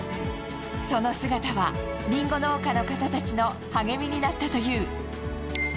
その姿はリンゴ農家の方たちの励みになったという。